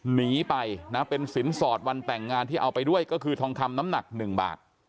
หนีไปนะเป็นสินสอดวันแต่งงานที่เอาไปด้วยก็คือทองคำน้ำหนัก๑บาท